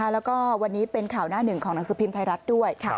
แล้วก็วันนี้เป็นข่าวหน้าหนึ่งของหนังสือพิมพ์ไทยรัฐด้วย